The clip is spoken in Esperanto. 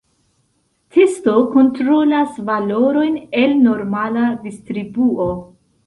Testo kontrolas valorojn el normala distribuo.